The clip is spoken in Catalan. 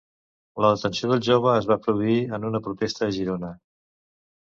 La detenció del jove es va produir en una protesta a Girona